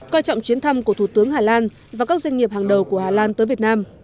coi trọng chuyến thăm của thủ tướng hà lan và các doanh nghiệp hàng đầu của hà lan tới việt nam